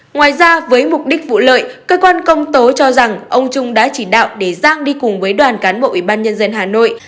ngoài ra với mục đích vụ lợi cơ quan công tố cho rằng ông trung đã chỉ đạo để giang đi cùng với đoàn cán bộ ủy ban nhân dân hà nội